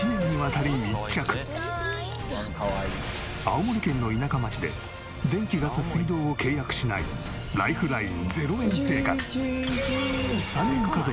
青森県の田舎町で電気ガス水道を契約しないライフライン０円生活。